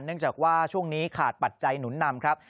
เนื่องจากว่าช่วงนี้ขาดปัจจัยหนุนนำครับ